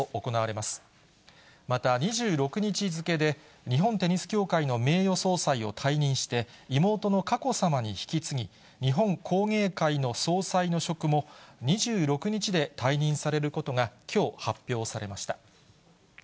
また２６日付けで、日本テニス協会の名誉総裁を退任して、妹の佳子さまに引き継ぎ、日本工芸会の総裁の職も２６日で退任されることが、きょう発表されました。